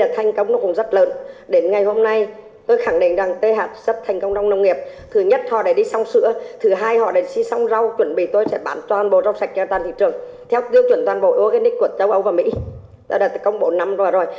theo tiêu chuẩn toàn bộ organic của châu âu và mỹ đã công bố năm qua rồi